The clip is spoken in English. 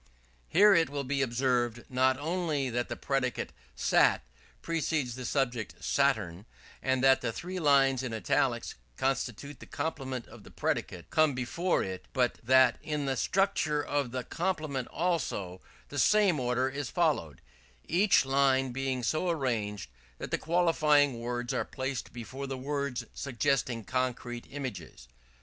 Here it will be observed, not only that the predicate "sat" precedes the subject "Saturn," and that the three lines in italics, constituting the complement of the predicate, come before it; but that in the structure of that complement also, the same order is followed: each line being so arranged that the qualifying words are placed before the words suggesting concrete images.